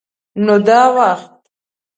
_نو دا وخت؟